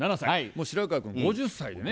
もう白川君５０歳でね。